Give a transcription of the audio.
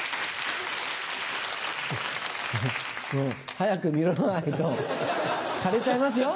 早く実らないと枯れちゃいますよ。